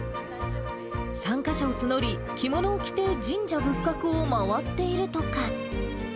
参加者を募り、着物を着て神社仏閣を回っているとか。